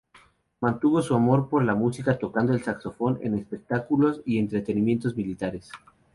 Mantuvo su amor por la música tocando el saxofón en espectáculos y entretenimientos militares.